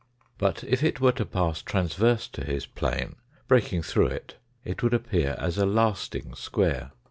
But if it were to pass transverse to his plane, breaking through it, it would appear as a lasting square.